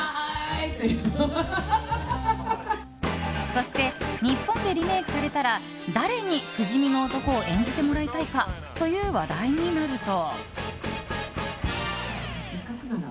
そして日本でリメイクされたら誰に、不死身の男を演じてもらいたいかという話題になると。